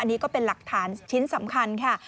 อันนี้ก็เป็นหลักฐานชิ้นสำคัญค่ะ